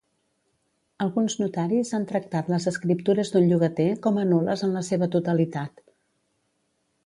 Alguns notaris han tractat les escriptures d'un llogater com a nul·les en la seva totalitat.